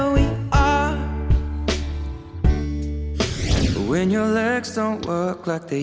ว่ามันไม่ทำพวกนี้